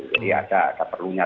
jadi ada ada perlunya